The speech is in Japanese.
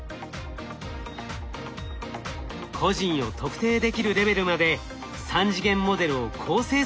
個人を特定できるレベルまで３次元モデルを高精細にします。